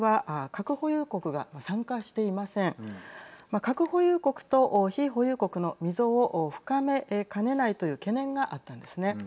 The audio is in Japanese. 核保有国と非保有国の溝を深めかねないという懸念があったんですね。